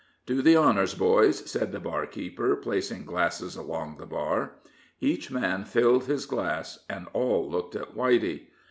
"Do the honors, boys," said the barkeeper, placing glasses along the bar. Each man filled his glass, and all looked at Whitey.